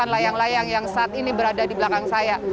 ini adalah serangkaian layang layang yang saat ini berada di belakang saya